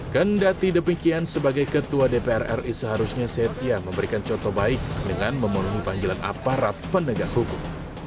kendati demikian sebagai ketua dpr ri seharusnya setia memberikan contoh baik dengan memenuhi panggilan aparat penegak hukum